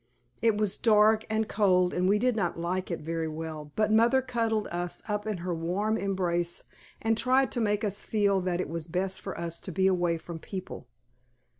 It was dark and cold and we did not like it very well, but mother cuddled us up in her warm embrace and tried to make us feel that it was best for us to be away from people.